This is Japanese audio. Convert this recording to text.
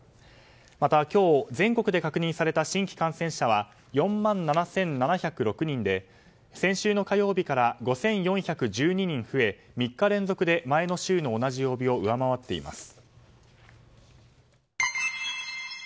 また今日全国で確認された新規感染者は４万７７０６人で先週の火曜日から５４１２人増え３日連続で前の週の同じ曜日を上回っています。